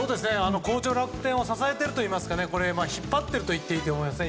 好調楽天を支えているといいますか引っ張っていると言っていいと思いますね。